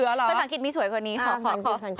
ภาษาอังกฤษมีสวยกว่านี้ขอโชว์